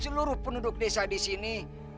seluruh penduduk desa disini